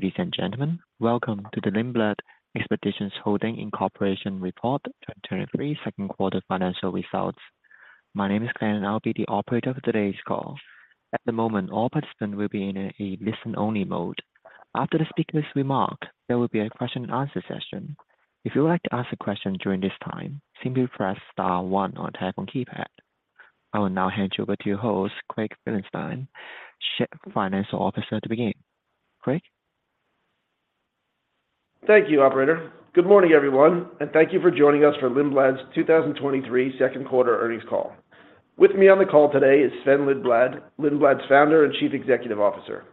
Ladies and gentlemen, welcome to the Lindblad Expeditions Holdings, Inc. Report, 2023 second quarter financial results. My name is Glenn, and I'll be the operator for today's call. At the moment, all participants will be in a listen-only mode. After the speakers remark, there will be a question and answer session. If you would like to ask a question during this time, simply press star one or tap on keypad. I will now hand you over to your host, Craig Felenstein, Chief Financial Officer, to begin. Craig? Thank you, operator. Good morning, everyone, and thank you for joining us for Lindblad's 2023 second quarter earnings call. With me on the call today is Sven-Olof Lindblad, Lindblad's Founder and Chief Executive Officer.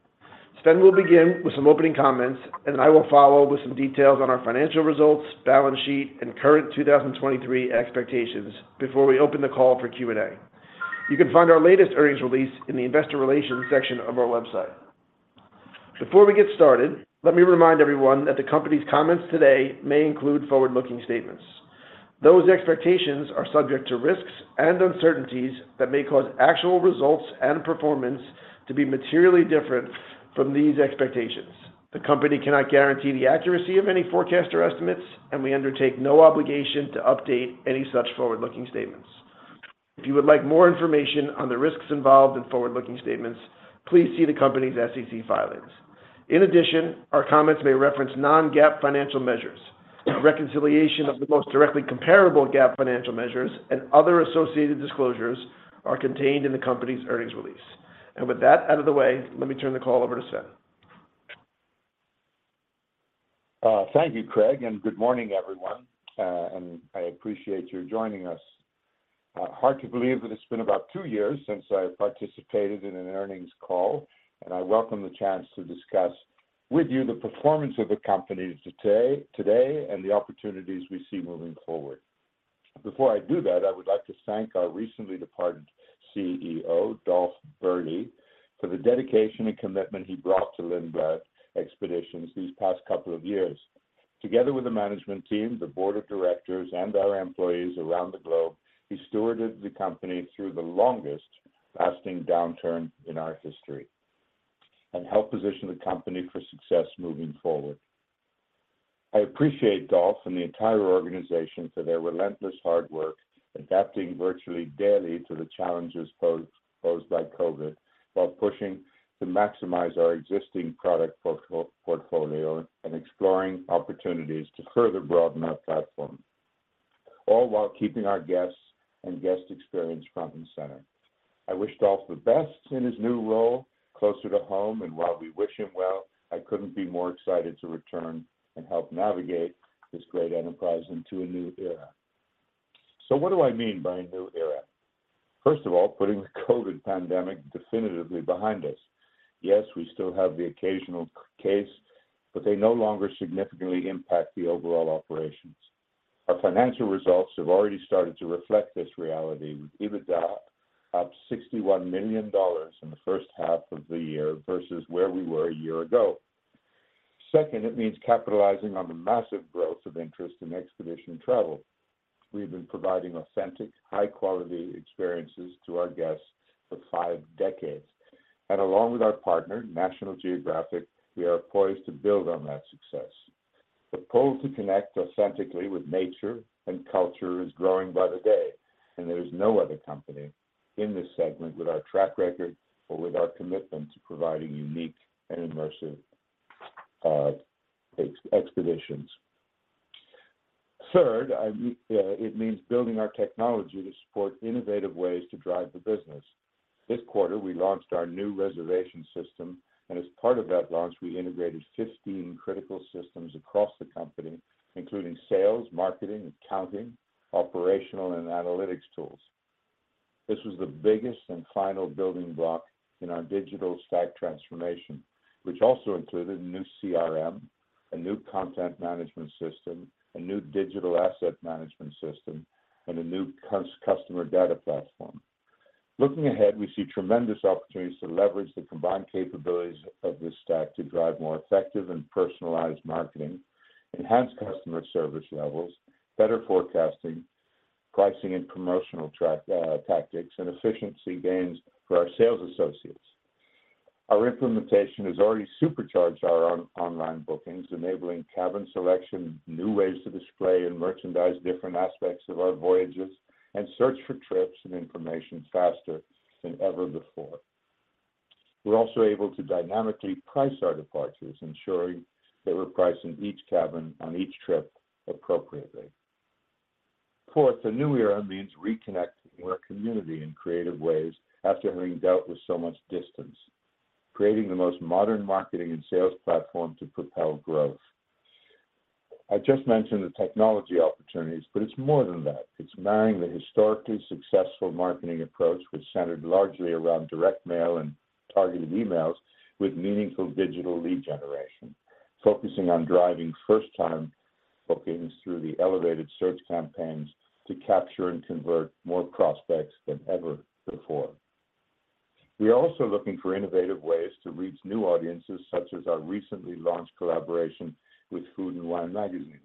Sven will begin with some opening comments. Then I will follow with some details on our financial results, balance sheet, and current 2023 expectations before we open the call for Q&A. You can find our latest earnings release in the investor relations section of our website. Before we get started, let me remind everyone that the company's comments today may include forward-looking statements. Those expectations are subject to risks and uncertainties that may cause actual results and performance to be materially different from these expectations. The company cannot guarantee the accuracy of any forecast or estimates. We undertake no obligation to update any such forward-looking statements. If you would like more information on the risks involved in forward-looking statements, please see the company's SEC filings. In addition, our comments may reference non-GAAP financial measures. A reconciliation of the most directly comparable GAAP financial measures and other associated disclosures are contained in the company's earnings release. With that out of the way, let me turn the call over to Sven. Thank you, Craig. Good morning, everyone. I appreciate you joining us. Hard to believe that it's been about two years since I participated in an earnings call. I welcome the chance to discuss with you the performance of the company today, and the opportunities we see moving forward. Before I do that, I would like to thank our recently departed CEO, Dolf Berle, for the dedication and commitment he brought to Lindblad Expeditions these past couple of years. Together with the management team, the board of directors, and our employees around the globe, he stewarded the company through the longest-lasting downturn in our history, and helped position the company for success moving forward. I appreciate Dolf and the entire organization for their relentless hard work, adapting virtually daily to the challenges posed by COVID, while pushing to maximize our existing product portfolio and exploring opportunities to further broaden our platform, all while keeping our guests and guest experience front and center. I wish Dolf the best in his new role, closer to home, and while we wish him well, I couldn't be more excited to return and help navigate this great enterprise into a new era. What do I mean by a new era? First of all, putting the COVID pandemic definitively behind us. Yes, we still have the occasional case, but they no longer significantly impact the overall operations. Our financial results have already started to reflect this reality, with EBITDA up $61 million in the first half of the year versus where we were a year ago. Second, it means capitalizing on the massive growth of interest in expedition travel. We've been providing authentic, high-quality experiences to our guests for five decades, and along with our partner, National Geographic, we are poised to build on that success. The pull to connect authentically with nature and culture is growing by the day, and there is no other company in this segment with our track record or with our commitment to providing unique and immersive expeditions. Third, I mean, it means building our technology to support innovative ways to drive the business. This quarter, we launched our new reservation system, and as part of that launch, we integrated 15 critical systems across the company, including sales, marketing, accounting, operational, and analytics tools. This was the biggest and final building block in our digital stack transformation, which also included a new CRM, a new content management system, a new digital asset management system, and a new customer data platform. Looking ahead, we see tremendous opportunities to leverage the combined capabilities of this stack to drive more effective and personalized marketing, enhance customer service levels, better forecasting, pricing and promotional tactics, and efficiency gains for our sales associates. Our implementation has already supercharged our online bookings, enabling cabin selection, new ways to display and merchandise different aspects of our voyages, and search for trips and information faster than ever before. We're also able to dynamically price our departures, ensuring that we're pricing each cabin on each trip appropriately. Fourth, a new era means reconnecting with our community in creative ways after having dealt with so much distance, creating the most modern marketing and sales platform to propel growth. I just mentioned the technology opportunities, but it's more than that. It's marrying the historically successful marketing approach, which centered largely around direct mail and targeted emails, with meaningful digital lead generation, focusing on driving first-time bookings through the elevated search campaigns to capture and convert more prospects than ever before. We are also looking for innovative ways to reach new audiences, such as our recently launched collaboration with Food & Wine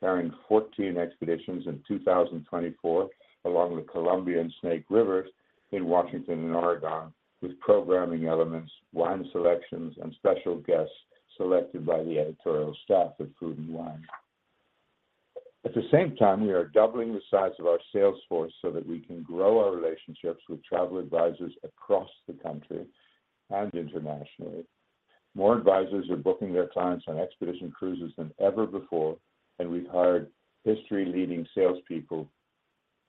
carrying 14 expeditions in 2024, along the Columbia and Snake Rivers in Washington and Oregon, with programming elements, wine selections, and special guests selected by the editorial staff of Food & Wine. At the same time, we are doubling the size of our sales force so that we can grow our relationships with travel advisors across the country and internationally. More advisors are booking their clients on expedition cruises than ever before. We've hired industry-leading salespeople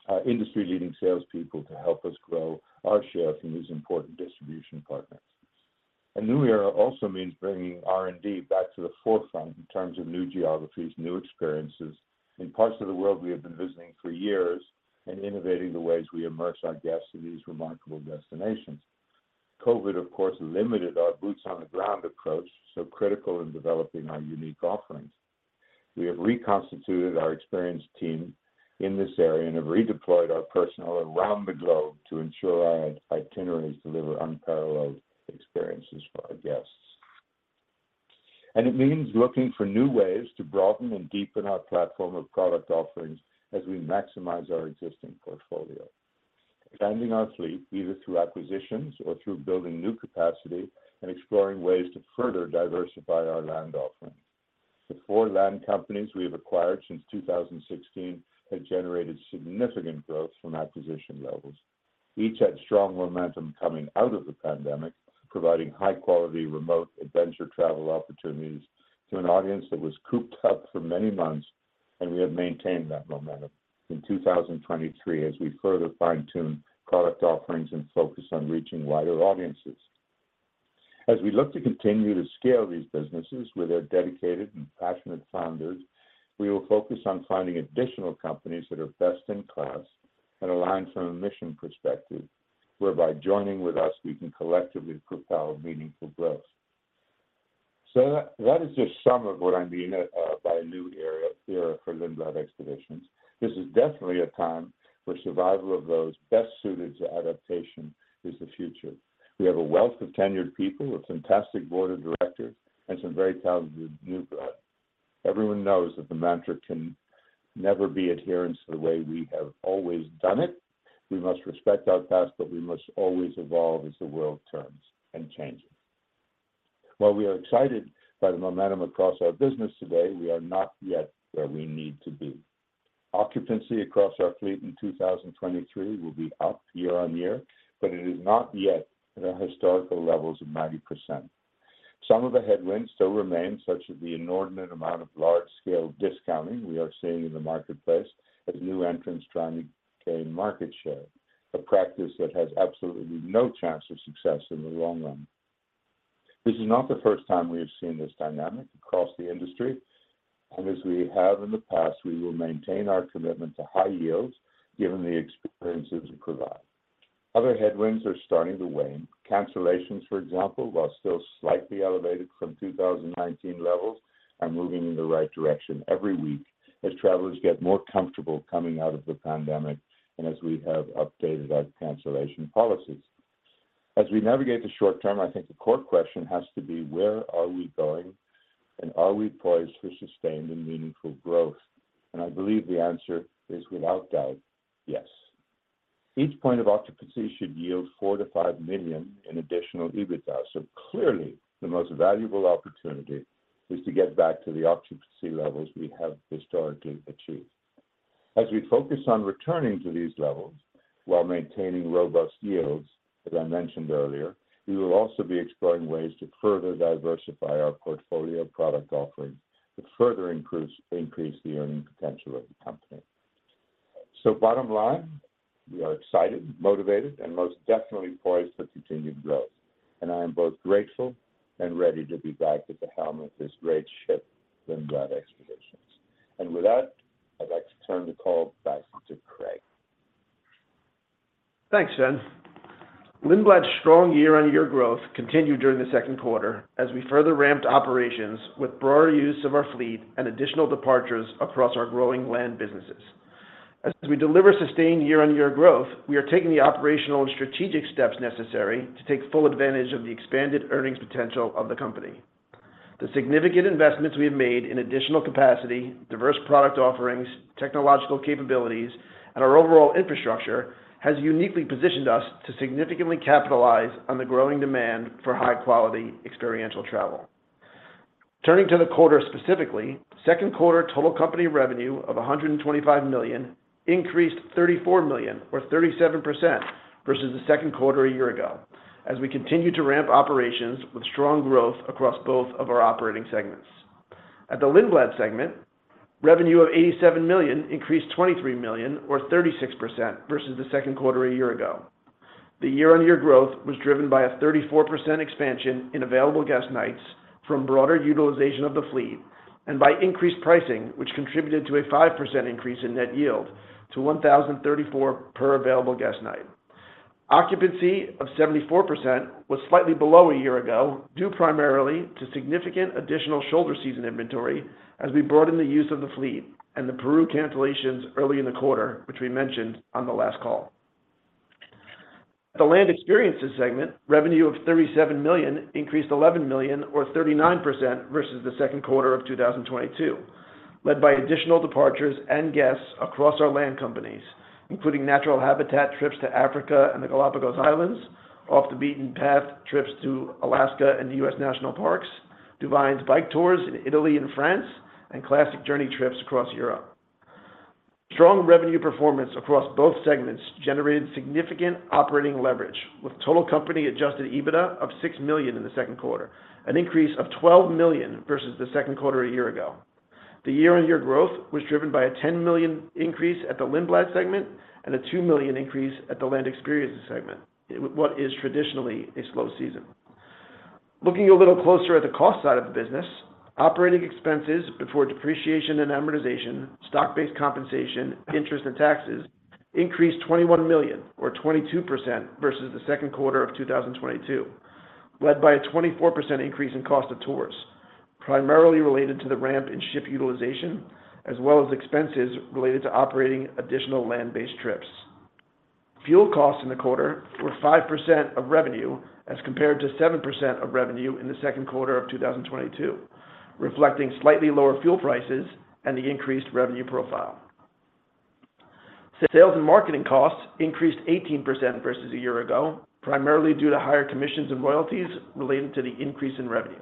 to help us grow our share from these important distribution partners. A new era also means bringing R&D back to the forefront in terms of new geographies, new experiences in parts of the world we have been visiting for years, and innovating the ways we immerse our guests in these remarkable destinations. COVID, of course, limited our boots-on-the-ground approach, so critical in developing our unique offerings. We have reconstituted our experienced team in this area and have redeployed our personnel around the globe to ensure our itineraries deliver unparalleled experiences for our guests. It means looking for new ways to broaden and deepen our platform of product offerings as we maximize our existing portfolio. Expanding our fleet, either through acquisitions or through building new capacity, and exploring ways to further diversify our Land offerings. The four land companies we have acquired since 2016 have generated significant growth from acquisition levels. Each had strong momentum coming out of the pandemic, providing high-quality, remote adventure travel opportunities to an audience that was cooped up for many months, and we have maintained that momentum in 2023 as we further fine-tune product offerings and focus on reaching wider audiences. As we look to continue to scale these businesses with their dedicated and passionate founders, we will focus on finding additional companies that are best-in-class and aligned from a mission perspective, whereby joining with us, we can collectively propel meaningful growth. That is just some of what I mean by a new era for Lindblad Expeditions. This is definitely a time where survival of those best suited to adaptation is the future. We have a wealth of tenured people, a fantastic board of directors, and some very talented new blood. Everyone knows that the mantra can never be adherence to the way we have always done it. We must respect our past, but we must always evolve as the world turns and changes. While we are excited by the momentum across our business today, we are not yet where we need to be. Occupancy across our fleet in 2023 will be up year-on-year, but it is not yet at our historical levels of 90%. Some of the headwinds still remain, such as the inordinate amount of large-scale discounting we are seeing in the marketplace as new entrants try to gain market share, a practice that has absolutely no chance of success in the long run. This is not the first time we have seen this dynamic across the industry. As we have in the past, we will maintain our commitment to high yields, given the experiences we provide. Other headwinds are starting to wane. Cancellations, for example, while still slightly elevated from 2019 levels, are moving in the right direction every week as travelers get more comfortable coming out of the pandemic and as we have updated our cancellation policies. As we navigate the short term, I think the core question has to be: where are we going? Are we poised for sustained and meaningful growth? I believe the answer is, without doubt, yes. Each point of occupancy should yield $4 million-$5 million in additional EBITDA. Clearly, the most valuable opportunity is to get back to the occupancy levels we have historically achieved. As we focus on returning to these levels while maintaining robust yields, as I mentioned earlier, we will also be exploring ways to further diversify our portfolio of product offerings to further increase the earning potential of the company. Bottom line, we are excited, motivated, and most definitely poised for continued growth, and I am both grateful and ready to be back at the helm of this great ship, Lindblad Expeditions. With that, I'd like to turn the call back to Craig. Thanks, Sven. Lindblad's strong year-on-year growth continued during the second quarter as we further ramped operations with broader use of our fleet and additional departures across our growing Land businesses. As we deliver sustained year-on-year growth, we are taking the operational and strategic steps necessary to take full advantage of the expanded earnings potential of the company. The significant investments we have made in additional capacity, diverse product offerings, technological capabilities, and our overall infrastructure has uniquely positioned us to significantly capitalize on the growing demand for high-quality, experiential travel. Turning to the quarter specifically, second quarter total company revenue of $125 million increased $34 million, or 37%, versus the second quarter a year ago, as we continued to ramp operations with strong growth across both of our operating segments. At the Lindblad segment, revenue of $87 million increased $23 million, or 36%, versus the second quarter a year ago. The year-on-year growth was driven by a 34% expansion in Available Guest Nights from broader utilization of the fleet and by increased pricing, which contributed to a 5% increase in net yield to $1,034 per Available Guest Night. Occupancy of 74% was slightly below a year ago, due primarily to significant additional shoulder season inventory as we broadened the use of the fleet and the Peru cancellations early in the quarter, which we mentioned on the last call. At the Land Experiences segment, revenue of $37 million increased $11 million, or 39%, versus the second quarter of 2022, led by additional departures and guests across our Land companies, including Natural Habitat trips to Africa and the Galapagos Islands, Off the Beaten Path trips to Alaska and the U.S. National Parks, DuVine's bike tours in Italy and France, Classic Journeys trips across Europe. Strong revenue performance across both segments generated significant operating leverage, with total company Adjusted EBITDA of $6 million in the second quarter, an increase of $12 million versus the second quarter a year ago. The year-on-year growth was driven by a $10 million increase at the Lindblad segment and a $2 million increase at the Land Experiences segment, in what is traditionally a slow season. Looking a little closer at the cost side of the business, operating expenses before depreciation and amortization, stock-based compensation, interest and taxes increased $21 million or 22% versus the second quarter of 2022, led by a 24% increase in cost of tours, primarily related to the ramp in ship utilization, as well as expenses related to operating additional land-based trips. Fuel costs in the quarter were 5% of revenue, as compared to 7% of revenue in the second quarter of 2022, reflecting slightly lower fuel prices and the increased revenue profile. Sales and marketing costs increased 18% versus a year ago, primarily due to higher commissions and royalties related to the increase in revenue.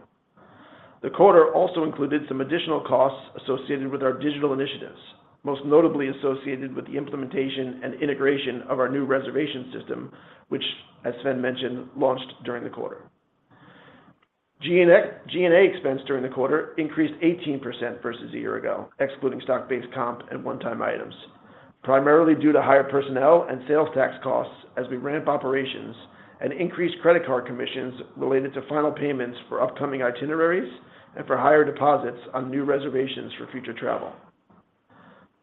The quarter also included some additional costs associated with our digital initiatives, most notably associated with the implementation and integration of our new reservation system, which, as Sven mentioned, launched during the quarter. G&A expense during the quarter increased 18% versus a year ago, excluding stock-based comp and one-time items, primarily due to higher personnel and sales tax costs as we ramp operations and increased credit card commissions related to final payments for upcoming itineraries and for higher deposits on new reservations for future travel.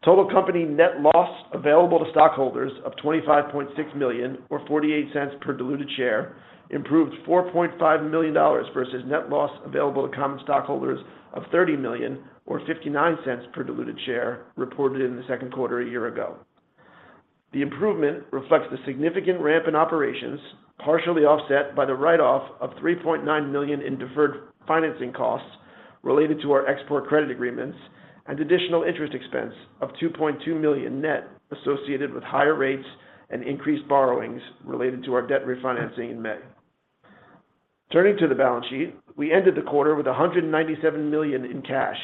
Total company net loss available to stockholders of $25.6 million or $0.48 per diluted share, improved $4.5 million versus net loss available to common stockholders of $30 million or $0.59 per diluted share reported in the second quarter a year ago. The improvement reflects the significant ramp in operations, partially offset by the write-off of $3.9 million in deferred financing costs related to our export credit agreements and additional interest expense of $2.2 million net associated with higher rates and increased borrowings related to our debt refinancing in May. Turning to the balance sheet, we ended the quarter with $197 million in cash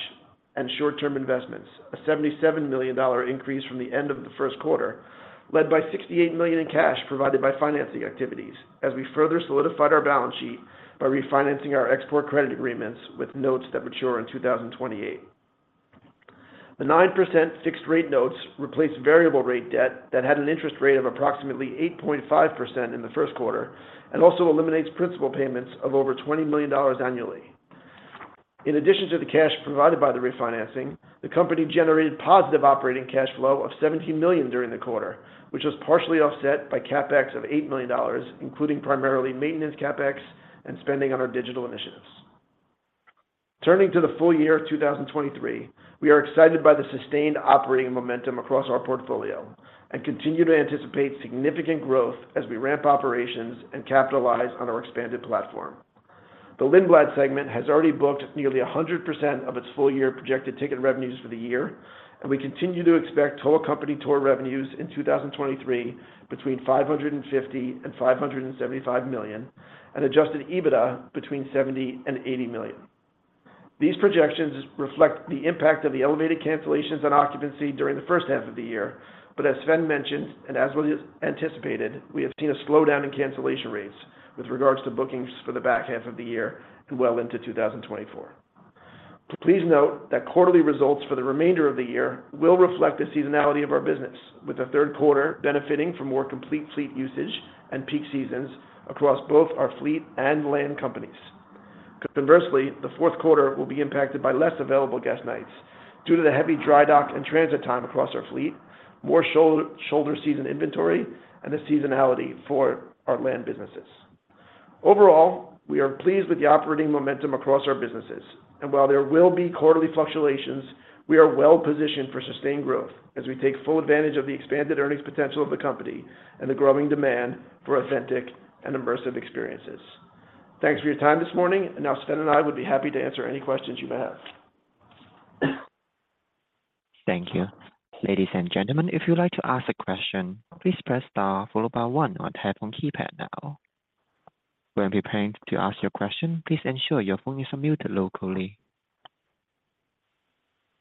and short-term investments, a $77 million increase from the end of the first quarter, led by $68 million in cash provided by financing activities, as we further solidified our balance sheet by refinancing our export credit agreements with notes that mature in 2028. The 9% fixed rate notes replace variable rate debt that had an interest rate of approximately 8.5% in the first quarter, and also eliminates principal payments of over $20 million annually. In addition to the cash provided by the refinancing, the company generated positive operating cash flow of $17 million during the quarter, which was partially offset by CapEx of $8 million, including primarily maintenance CapEx and spending on our digital initiatives. Turning to the full year of 2023, we are excited by the sustained operating momentum across our portfolio and continue to anticipate significant growth as we ramp operations and capitalize on our expanded platform. The Lindblad segment has already booked nearly 100% of its full-year projected ticket revenues for the year, and we continue to expect total company tour revenues in 2023 between $550 million and $575 million, and Adjusted EBITDA between $70 million and $80 million. These projections reflect the impact of the elevated cancellations on occupancy during the first half of the year, but as Sven mentioned, and as we anticipated, we have seen a slowdown in cancellation rates with regards to bookings for the back half of the year and well into 2024. Please note that quarterly results for the remainder of the year will reflect the seasonality of our business, with the third quarter benefiting from more complete fleet usage and peak seasons across both our Fleet and Land Experiences segment companies. Conversely, the fourth quarter will be impacted by less Available Guest Nights due to the heavy dry dock and transit time across our fleet, more shoulder season inventory, and the seasonality for our Land businesses. Overall, we are pleased with the operating momentum across our businesses, and while there will be quarterly fluctuations, we are well positioned for sustained growth as we take full advantage of the expanded earnings potential of the company and the growing demand for authentic and immersive experiences. Thanks for your time this morning. Now Sven and I would be happy to answer any questions you may have. Thank you. Ladies and gentlemen, if you'd like to ask a question, please press star followed by one on your telephone keypad now. When preparing to ask your question, please ensure your phone is unmuted locally.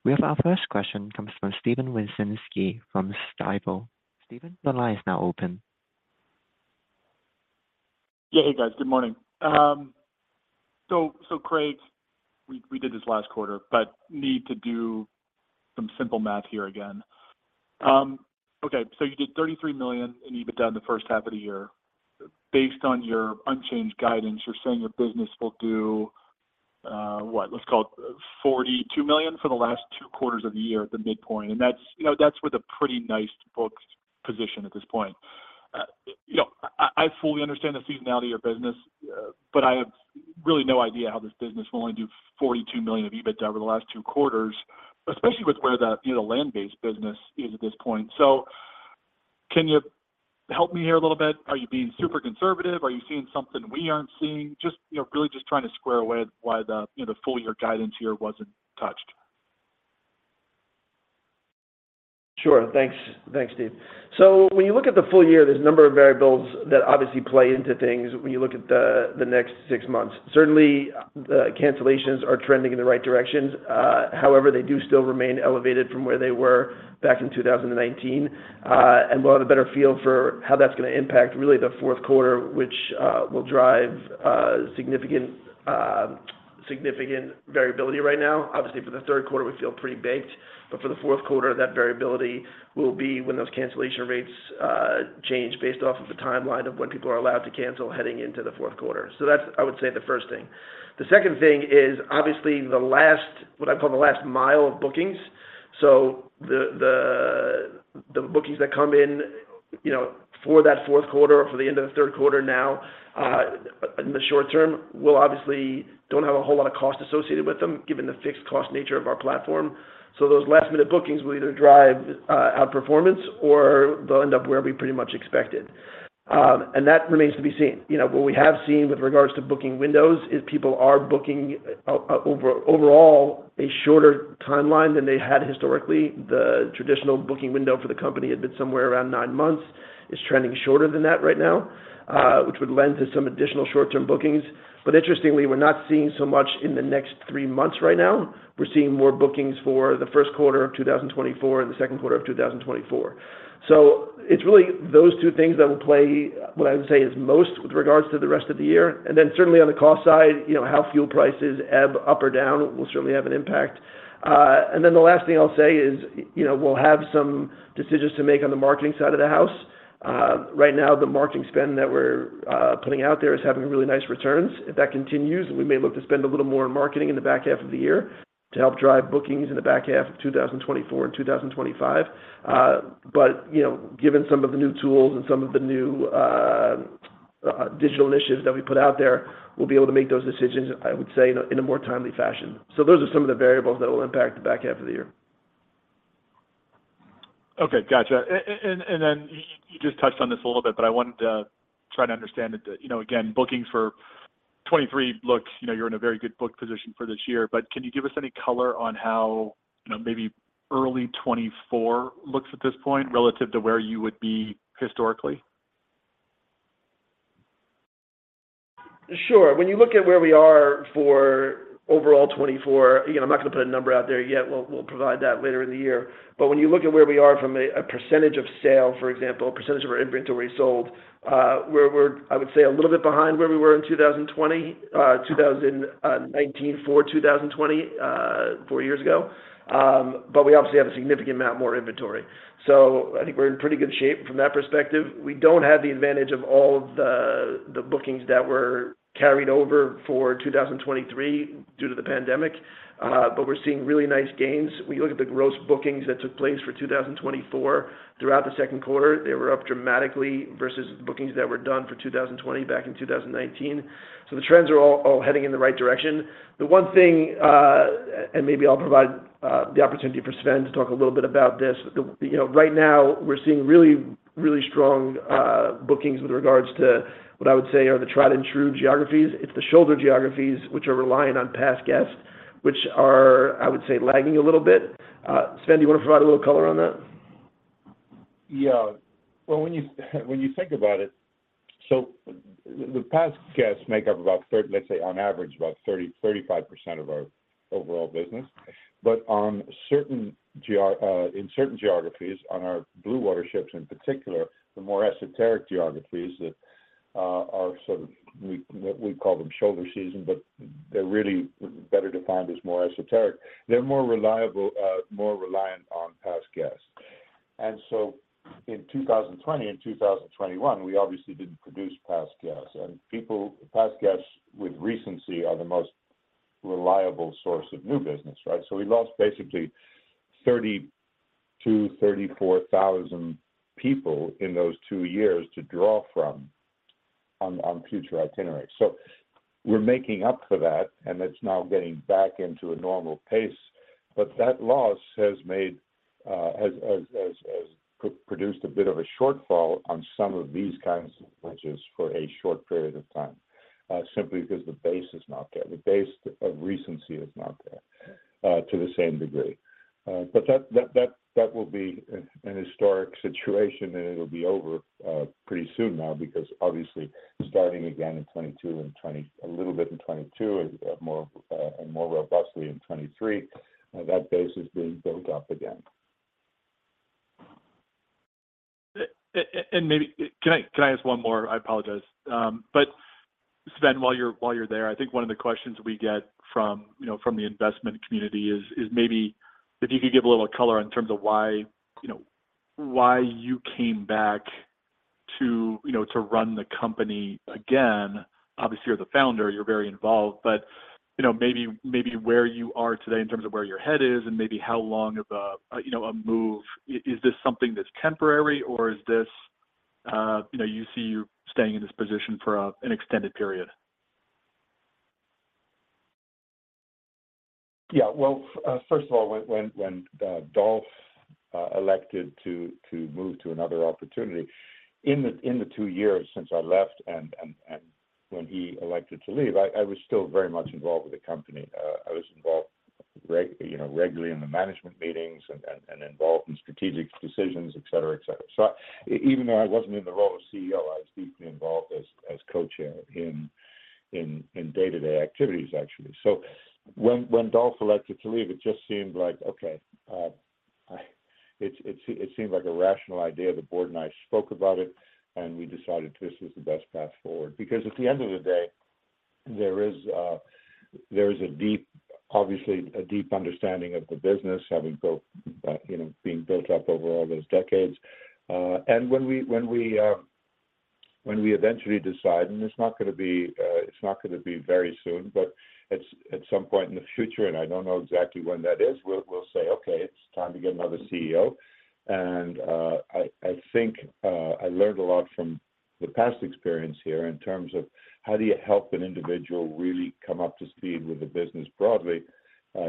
We have our first question comes from Steven Wieczynski from Stifel. Steven, the line is now open. Hey, guys. Good morning. Craig, we did this last quarter, need to do some simple math here again. You did $33 million in EBITDA in the first half of the year. Based on your unchanged guidance, you're saying your business will do what? Let's call it $42 million for the last two quarters of the year at the midpoint, that's, you know, that's with a pretty nice book position at this point. You know, I fully understand the seasonality of your business, really no idea how this business will only do $42 million of EBITDA over the last two quarters, especially with where the, you know, Land-based business is at this point. Can you help me here a little bit? Are you being super conservative? Are you seeing something we aren't seeing? Just, you know, really just trying to square away why the, you know, the full year guidance here wasn't touched. Sure. Thanks, Steven. When you look at the full year, there's a number of variables that obviously play into things when you look at the next six months. Certainly, cancellations are trending in the right direction. However, they do still remain elevated from where they were back in 2019. We'll have a better feel for how that's gonna impact, really the fourth quarter, which will drive significant variability right now. Obviously, for the third quarter, we feel pretty baked, but for the fourth quarter, that variability will be when those cancellation rates change based off of the timeline of when people are allowed to cancel heading into the fourth quarter. That's, I would say, the first thing. The second thing is, obviously, the last what I call the last mile of bookings. The bookings that come in, you know, for that fourth quarter or for the end of the third quarter now, in the short term, will obviously don't have a whole lot of cost associated with them, given the fixed cost nature of our platform. Those last-minute bookings will either drive our performance or they'll end up where we pretty much expected. That remains to be seen. You know, what we have seen with regards to booking windows, is people are booking overall, a shorter timeline than they had historically. The traditional booking window for the company had been somewhere around nine months, is trending shorter than that right now, which would lend to some additional short-term bookings. Interestingly, we're not seeing so much in the next three months right now. We're seeing more bookings for the first quarter of 2024 and the second quarter of 2024. It's really those two things that will play, what I would say, is most with regards to the rest of the year. Certainly on the cost side, you know, how fuel prices ebb up or down will certainly have an impact. The last thing I'll say is, you know, we'll have some decisions to make on the marketing side of the house. Right now, the marketing spend that we're putting out there is having really nice returns. If that continues, we may look to spend a little more on marketing in the back half of the year to help drive bookings in the back half of 2024 and 2025. You know, given some of the new tools and some of the new digital initiatives that we put out there, we'll be able to make those decisions, I would say, in a, in a more timely fashion. Those are some of the variables that will impact the back half of the year. Okay, gotcha. You just touched on this a little bit, but I wanted to try to understand it, you know, again, bookings for 2023 looks, you know, you're in a very good book position for this year, but can you give us any color on how, you know, maybe early 2024 looks at this point relative to where you would be historically? Sure. When you look at where we are for overall 2024, you know, I'm not going to put a number out there yet. We'll provide that later in the year. When you look at where we are from a percentage of sale, for example, a percentage of our inventory sold, we're, I would say, a little bit behind where we were in 2020, 2019 for 2020, four years ago. We obviously have a significant amount more inventory. I think we're in pretty good shape from that perspective. We don't have the advantage of all of the bookings that were carried over for 2023 due to the pandemic, but we're seeing really nice gains. When you look at the gross bookings that took place for 2024 throughout the second quarter, they were up dramatically versus the bookings that were done for 2020 back in 2019. The trends are all heading in the right direction. The one thing, and maybe I'll provide the opportunity for Sven to talk a little bit about this. You know, right now we're seeing really strong bookings with regards to what I would say are the tried-and-true geographies. It's the shoulder geographies, which are reliant on past guests, which are, I would say, lagging a little bit. Sven, do you want to provide a little color on that? Well, when you, when you think about it, the past guests make up about, let's say, on average, about 30%-35% of our overall business. On certain geographies, on our blue water ships in particular, the more esoteric geographies that are sort of, we call them shoulder season, but they're really better defined as more esoteric. They're more reliable, more reliant on past guests. In 2020 and 2021, we obviously didn't produce past guests, and past guests with recency are the most reliable source of new business, right? We lost basically 30,000-34,000 people in those two years to draw from on future itineraries. We're making up for that, and it's now getting back into a normal pace. That loss has produced a bit of a shortfall on some of these kinds of launches for a short period of time, simply because the base is not there. The base of recency is not there, to the same degree. That will be an historic situation, and it'll be over, pretty soon now, because obviously, starting again in 2022 and a little bit in 2022 and more and more robustly in 2023, that base is being built up again. Maybe... Can I ask one more? I apologize. Sven, while you're there, I think one of the questions we get from, you know, from the investment community is maybe if you could give a little color in terms of why, you know, why you came back to, you know, to run the company again. Obviously, you're the founder, you're very involved, you know, maybe where you are today in terms of where your head is and maybe how long of a, you know, a move. Is this something that's temporary, or you know, you see you staying in this position for an extended period? Yeah. Well, first of all, when Dolf elected to move to another opportunity, in the two years since I left and when he elected to leave, I was still very much involved with the company. I was involved, you know, regularly in the management meetings and involved in strategic decisions, et cetera, et cetera. Even though I wasn't in the role of CEO, I was deeply involved as co-chair in day-to-day activities, actually. When Dolf elected to leave, it just seemed like, okay, it seemed like a rational idea. The board and I spoke about it. We decided this was the best path forward. Because at the end of the day, there is, there is a deep, obviously, a deep understanding of the business, having built, you know, being built up over all those decades. When we eventually decide, and it's not gonna be, it's not gonna be very soon, but at some point in the future, and I don't know exactly when that is, we'll say, "Okay, it's time to get another CEO." I think, I learned a lot from the past experience here in terms of how do you help an individual really come up to speed with the business broadly,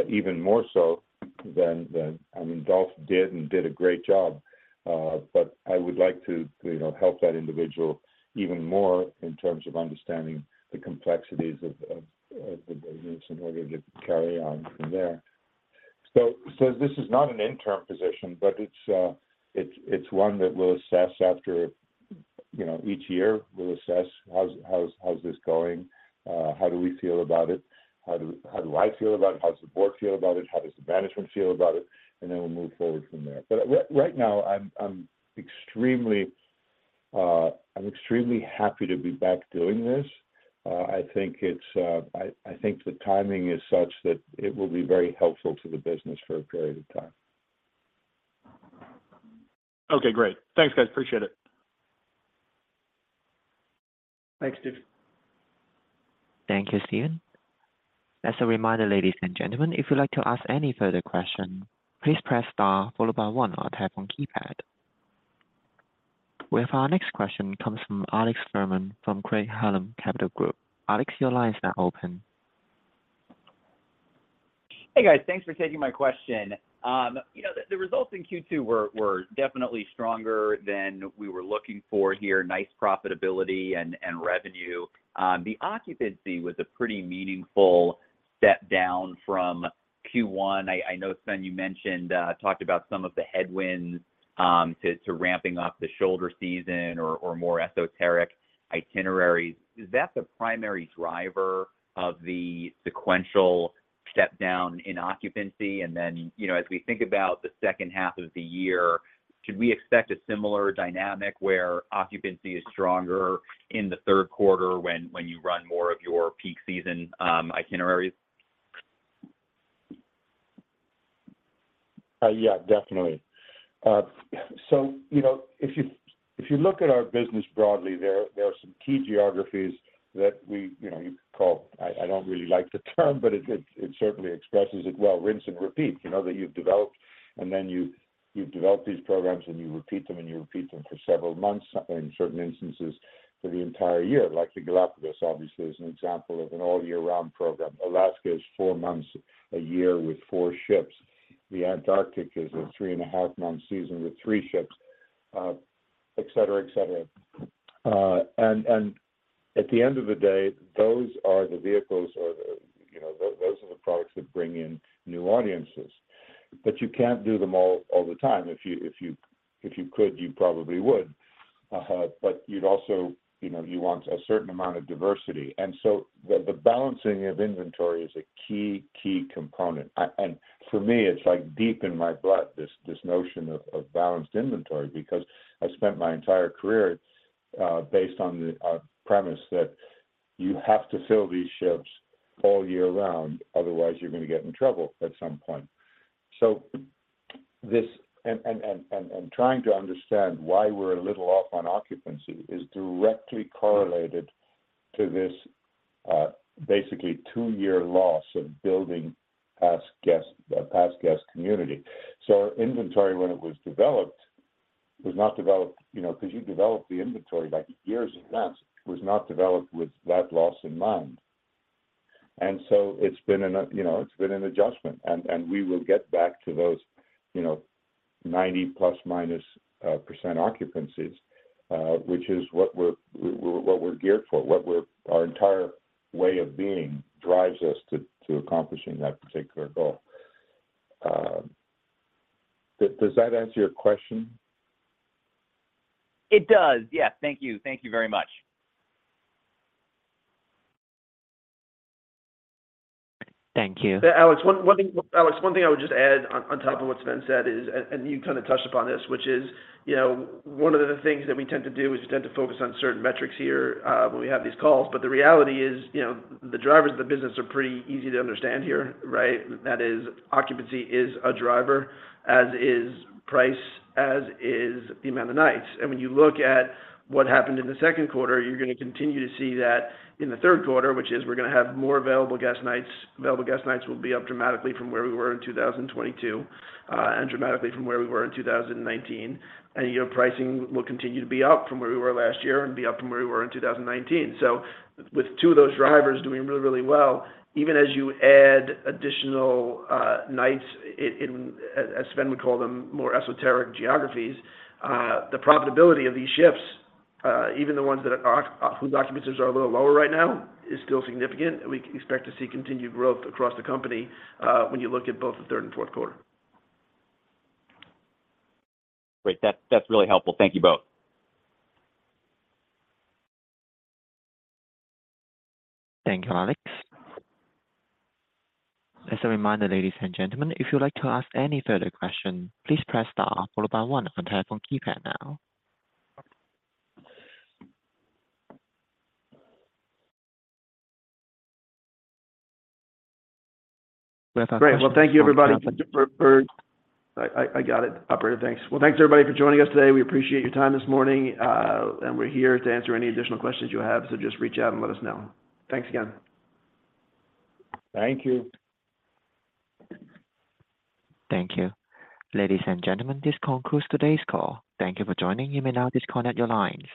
even more so than. I mean, Dolf did a great job, but I would like to, you know, help that individual even more in terms of understanding the complexities of the business in order to carry on from there. This is not an interim position, but it's one that we'll assess after, you know, each year, we'll assess how's this going? How do we feel about it? How do I feel about it? How does the board feel about it? How does the management feel about it? We'll move forward from there. Right now, I'm extremely happy to be back doing this. I think it's, I think the timing is such that it will be very helpful to the business for a period of time. Okay, great. Thanks, guys. Appreciate it. Thanks, Steven. Thank you, Steven. As a reminder, ladies and gentlemen, if you'd like to ask any further question, please press star followed by one on your telephone keypad. We have our next question comes from Alex Fuhrman from Craig-Hallum Capital Group. Alex, your line is now open. Hey, guys. Thanks for taking my question. You know, the results in Q2 were definitely stronger than we were looking for here. Nice profitability and revenue. The occupancy was a pretty meaningful step down from Q1. I know, Sven, you mentioned talked about some of the headwinds to ramping up the shoulder season or more esoteric itineraries. Is that the primary driver of the sequential step down in occupancy? Then, you know, as we think about the second half of the year, should we expect a similar dynamic where occupancy is stronger in the third quarter when you run more of your peak season itineraries? Yeah, definitely. You know, if you, if you look at our business broadly, there are some key geographies that we, you know, you call... I don't really like the term, but it certainly expresses it well, rinse and repeat, you know, that you've developed, and then you've developed these programs, and you repeat them, and you repeat them for several months, in certain instances, for the entire year. Like the Galapagos, obviously, is an example of an all year round program. Alaska is four months a year with four ships. The Antarctic is a three-and-a-half-month season with three ships, et cetera, et cetera. At the end of the day, those are the vehicles or the, you know, those are the products that bring in new audiences. You can't do them all all the time. If you could, you probably would. You'd also, you know, you want a certain amount of diversity, and so the balancing of inventory is a key component. For me, it's like deep in my blood, this notion of, of balanced inventory, because I spent my entire career, based on the premise that you have to fill these ships all year round, otherwise you're gonna get in trouble at some point. This, and trying to understand why we're a little off on occupancy is directly correlated to this, basically two-year loss of building past guest, a past guest community. Our inventory, when it was developed, was not developed, you know, because you developed the inventory, like years in advance, was not developed with that loss in mind. It's been an, you know, it's been an adjustment, and, and we will get back to those, you know, 90%± occupancies, which is what we're geared for, our entire way of being drives us to, to accomplishing that particular goal. Does that answer your question? It does. Yeah. Thank you. Thank you very much. Thank you. Alex, one thing... Alex, one thing I would just add on, on top of what Sven said is, and you kinda touched upon this, which is, you know, one of the things that we tend to do is we tend to focus on certain metrics here, when we have these calls, but the reality is, you know, the drivers of the business are pretty easy to understand here, right? That is, occupancy is a driver, as is price, as is the amount of nights. When you look at what happened in the second quarter, you're gonna continue to see that in the third quarter, which is we're gonna have more Available Guest Nights. Available Guest Nights will be up dramatically from where we were in 2022, and dramatically from where we were in 2019. Your pricing will continue to be up from where we were last year and be up from where we were in 2019. With two of those drivers doing really, really well, even as you add additional nights in, as Sven would call them, more esoteric geographies, the profitability of these ships, even the ones that are whose occupancies are a little lower right now, is still significant, and we expect to see continued growth across the company, when you look at both the third and fourth quarter. Great. That's really helpful. Thank you both. Thank you, Alex. As a reminder, ladies and gentlemen, if you'd like to ask any further question, please press star followed by one on telephone keypad now. Great. Thank you, everybody. I got it. Operator, thanks. Thanks, everybody, for joining us today. We appreciate your time this morning. We're here to answer any additional questions you have. Just reach out and let us know. Thanks again. Thank you. Thank you. Ladies and gentlemen, this concludes today's call. Thank you for joining. You may now disconnect your lines.